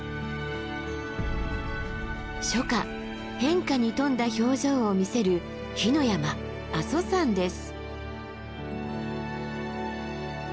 初夏変化に富んだ表情を見せる火の山阿蘇山です。